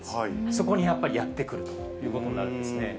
そこにやっぱりやってくるということになるんですね。